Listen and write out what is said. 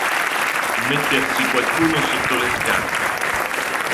Mettersi qualcuno sotto le scarpe.